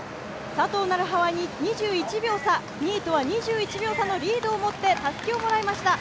佐藤成葉は２位とは２１秒差のリードをもってたすきをもらいました。